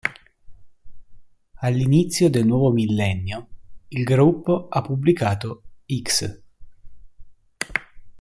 All'inizio del nuovo millennio, il gruppo ha pubblicato "X".